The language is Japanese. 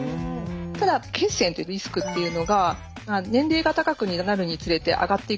ただ血栓っていうリスクっていうのが年齢が高くなるにつれて上がっていくんですね。